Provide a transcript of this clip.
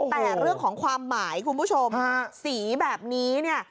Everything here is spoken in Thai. แต่เรื่องของความหมายคุณผู้ชมสีแบบนี้เนี่ย